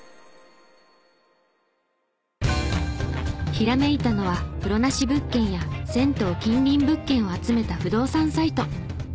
ひらめいたのは風呂なし物件や銭湯近隣物件を集めた不動産サイト。